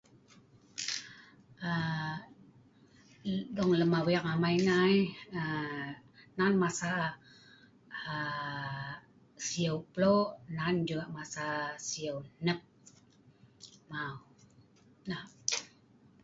um dong lem aweeng amai ngai um nan masa um sieu plo' nan jugak masa sieu hnep. Mau nah